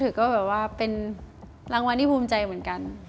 ถือว่าเป็นรางวัลที่ภูมิใจเหมือนกัน